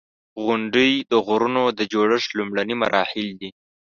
• غونډۍ د غرونو د جوړښت لومړني مراحل دي.